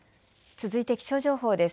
続いて気象情報です。